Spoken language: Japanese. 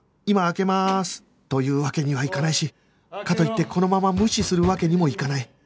今開けまーす！というわけにはいかないしかといってこのまま無視するわけにもいかない